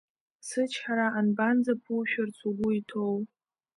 Сычҳара анбанӡа ԥушәарц угәы иҭоу?